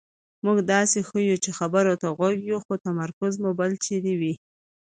مونږ داسې ښیو چې خبرو ته غوږ یو خو تمرکز مو بل چېرې وي.